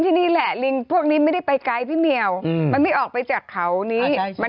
ใช่หรือไปยิง